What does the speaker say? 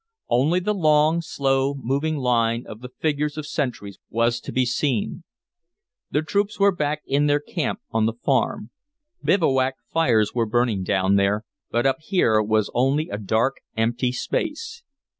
Only the long, slow moving line of the figures of sentries was to be seen. The troops were back in their camp on the Farm. Bivouac fires were burning down there, but up here was only a dark, empty space.